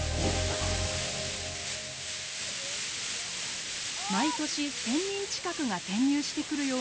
毎年１，０００人近くが転入してくるようになった境町。